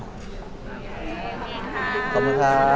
ใช่ครับน่าจะเป็นปีหน้าได้ครับ